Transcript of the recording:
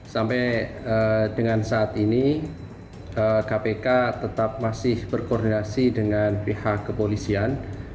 sampai dengan saat ini kpk tetap masih berkoordinasi dengan pihak kepolisian